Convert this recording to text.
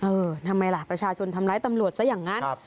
ทำไมล่ะประชาชนทำร้ายตำรวจซะอย่างนั้น